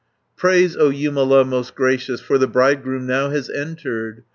"Praise, O Jumala most gracious, For the bridegroom now has entered.